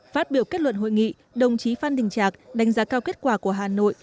phát biểu kết luận hội nghị đồng chí phan đình trạc đánh giá cao kết quả của hà nội